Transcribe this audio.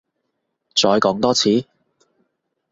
再講多次？